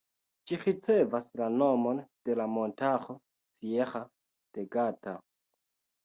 Ĝi ricevas la nomon de la montaro Sierra de Gata.